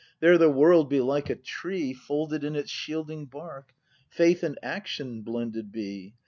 There the World be like a tree Folded in its shielding bark; Faith and Action blended be.